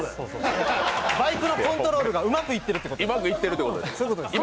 サイクルコントロールがうまくいってるということです。